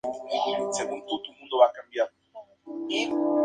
El clima de aquí es subtropical.